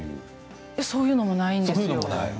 そういうのもないんですよ。